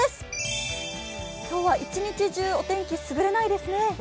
今日は一日中お天気優れないですね。